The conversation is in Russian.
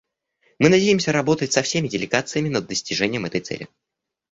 Мы надеемся работать со всеми делегациями над достижением этой цели.